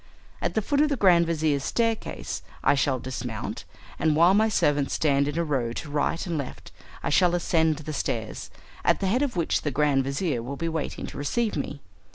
At the foot of the grand vizir's staircase I shall dismount, and while my servants stand in a row to right and left I shall ascend the stairs, at the head of which the grand vizir will be waiting to receive me.